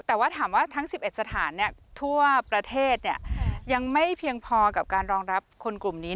แต่ว่าถามว่าทั้ง๑๑สถานทั่วประเทศยังไม่เพียงพอกับการรองรับคนกลุ่มนี้